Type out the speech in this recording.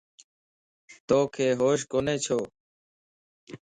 توک ھوش ڪوني ڇو؟